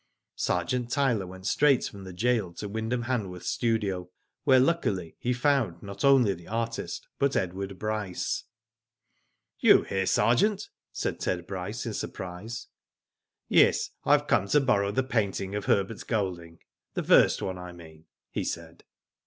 Sergeant Tyler went straight from the gaol to Wyndham Hanworth's studio, where, luckily, he found not only the artist but Edward Bryce. Digitized by Google 246 WHO DID ITf '^You here, sergeant!" said Ted Bryce, in sur prise." *'Yes. I have come to borrow the painting of Herbert Golding ; the first one I mean," he said.